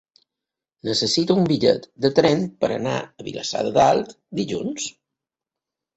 Necessito un bitllet de tren per anar a Vilassar de Dalt dilluns.